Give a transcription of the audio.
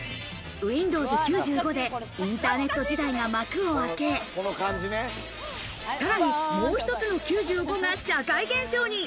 ９５でインターネット時代が幕を開け、さらに、もう一つの９５が社会現象に。